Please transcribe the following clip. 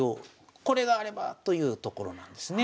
これがあればというところなんですね。